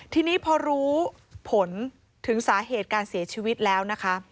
ทีนี้พอรู้ผลถึงสาเหตุการเสียชีวิตแล้วนะคะ